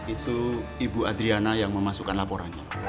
itu ibu adriana yang memasukkan laporannya